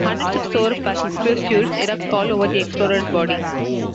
Hundreds of sore pustules erupt all over the explorer's body.